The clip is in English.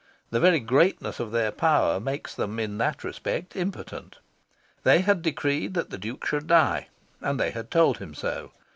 The very greatness of their power makes them, in that respect, impotent. They had decreed that the Duke should die, and they had told him so.